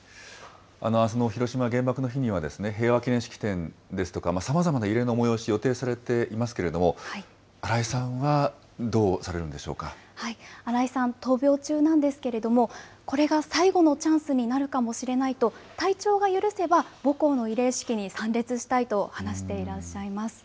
あすの広島原爆の日には、平和記念式典ですとか、さまざまな慰霊の催し予定されていますけれども、新井さんはどうされるんで新井さん、闘病中なんですけれども、これが最後のチャンスになるかもしれないと、体調が許せば、母校の慰霊式に参列したいと話していらっしゃいます。